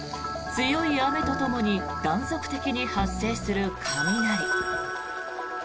強い雨とともに断続的に発生する雷。